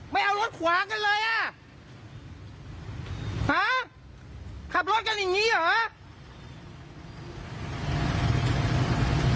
ไม่เอารถขวางกันเลยอ่ะฮะขับรถกันอย่างงี้เหรอ